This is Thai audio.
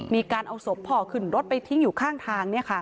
มีการเอาศพพ่อขึ้นรถไปทิ้งอยู่ข้างทาง